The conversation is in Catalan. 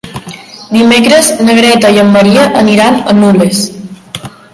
Dimecres na Greta i en Maria aniran a Nules.